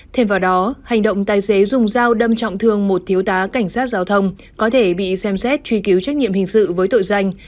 thêm vào đó hành động tài xế dùng dao đâm trọng thương một thiếu tá cảnh sát giao thông có thể bị xem xét truy cứu trách nhiệm hình sự với tội danh